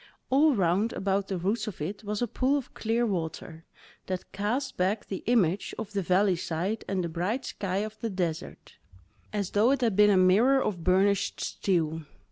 All round about the roots of it was a pool of clear water, that cast back the image of the valley side and the bright sky of the desert, as though it had been a mirror of burnished steel.